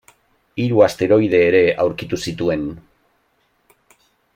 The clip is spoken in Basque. Hiru asteroide ere aurkitu zituen.